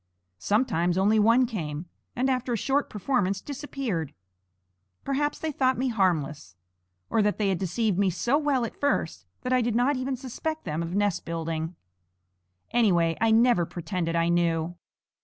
Sometimes only one came, and after a short performance disappeared. Perhaps they thought me harmless, or that they had deceived me so well at first that I did not even suspect them of nest building. Anyway, I never pretended I knew.